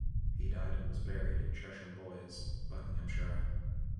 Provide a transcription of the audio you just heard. He died and was buried at Chesham Bois, Buckinghamshire.